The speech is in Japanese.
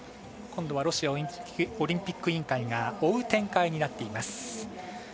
今度はロシアオリンピック委員会が追う展開になっています。